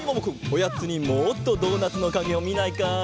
おやつにもっとドーナツのかげをみないか？